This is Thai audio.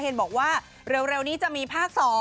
บอกว่าเร็วนี้จะมีภาค๒